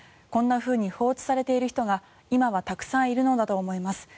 こんなふうに放置されている人が今はたくさんいるのだと思います。